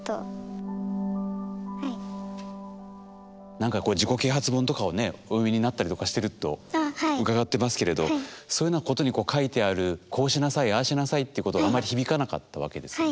何かこう自己啓発本とかをねお読みになったりとかしてると伺ってますけれどそういうようなことに書いてある「こうしなさいああしなさい」っていうことはあんまり響かなかったわけですよね。